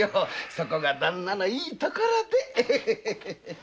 そこがだんなのいいところで。